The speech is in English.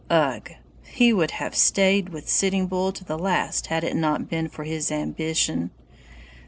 Ugh! he would have stayed with Sitting Bull to the last had it not been for his ambition.